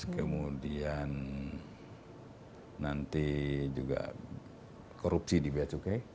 kemudian nanti juga korupsi di beacukai